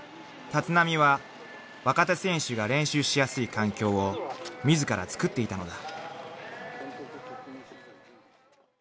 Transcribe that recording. ［立浪は若手選手が練習しやすい環境を自らつくっていたのだ］